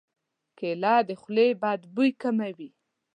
کېله د خولې بد بوی کموي.